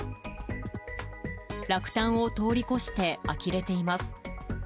落胆を通り越して、あきれています。